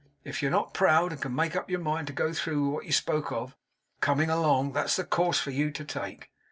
If you're not proud, and can make up your mind to go through with what you spoke of, coming along, that's the course for you to take.